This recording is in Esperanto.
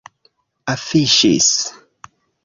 afiŝis